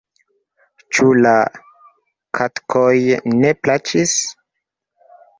Ĉu la kaktoj ne plaĉis?